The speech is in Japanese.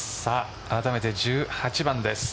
あらためて１８番です。